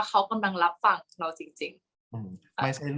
กากตัวทำอะไรบ้างอยู่ตรงนี้คนเดียว